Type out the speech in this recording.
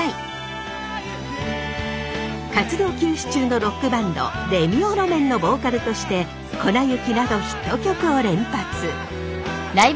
活動休止中のロックバンドレミオロメンのボーカルとして「粉雪」などヒット曲を連発。